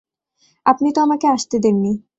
আপনি তো আমাকে আসতে দেননি।